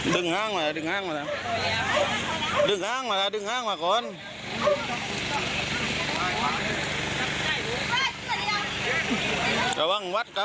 ห้างมาดึงห้างมาแล้วดึงห้างมาแล้วดึงห้างมาก่อน